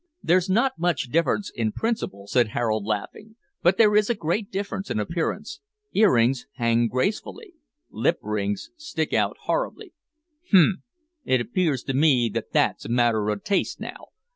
"There's not much difference in principle," said Harold, laughing, "but there is a great difference in appearance. Ear rings hang gracefully; lip rings stick out horribly." "H'm! it appears to me that that's a matter o' taste, now.